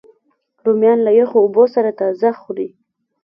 رومیان له یخو اوبو سره تازه خوري